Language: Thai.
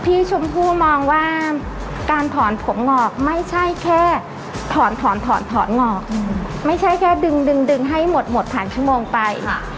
ชมพู่มองว่าการถอนผมงอกไม่ใช่แค่ถอนถอนถอนถอนงอกไม่ใช่แค่ดึงดึงให้หมดหมดผ่านชั่วโมงไป